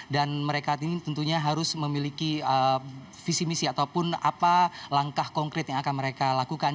dan mereka ini tentunya harus memiliki visi misi ataupun apa langkah konkret yang akan mereka lakukan